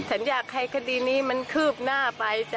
ฉันอยากให้คดีนี้มันคืบหน้าไปจ้ะ